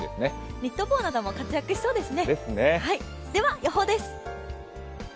ニット帽なども活躍しそうですね。